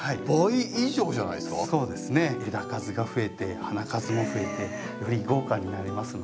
枝数が増えて花数も増えてより豪華になりますので。